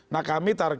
nah dua ratus kan menang